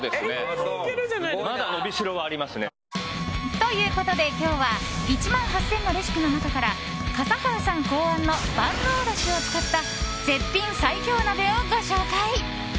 ということで今日は１万８０００のレシピの中から笠原さん考案の万能だしを使った絶品最強鍋をご紹介。